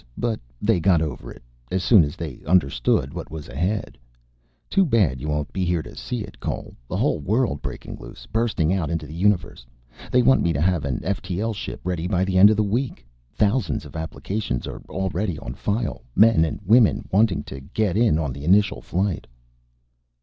But they got over it as soon as they understood what was ahead. Too bad you won't be here to see it, Cole. A whole world breaking loose. Bursting out into the universe. They want me to have an ftl ship ready by the end of the week! Thousands of applications are already on file, men and women wanting to get in on the initial flight."